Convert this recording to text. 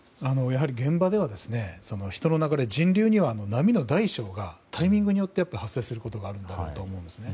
やはり、現場では人の流れ、人流では波の大小が、タイミングによって発生することがあるんだろうと思うんですね。